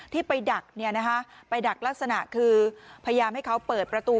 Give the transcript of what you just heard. ที่ไปดักไปดักลักษณะคือพยายามให้เขาเปิดประตู